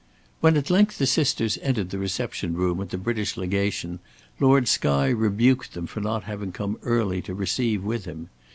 When at length the sisters entered the reception room at the British Legation, Lord Skye rebuked them for not having come early to receive with him.